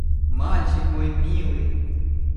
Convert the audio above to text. Мальчик мой милый!